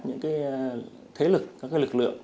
những thế lực các lực lượng